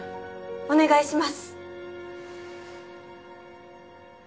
お願いします。